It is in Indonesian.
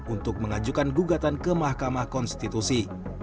untuk mengajukan gugatan ke mahkamah konstitusi